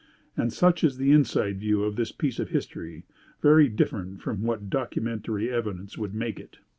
And such is the inside view of this piece of history very different from what documentary evidence would make it.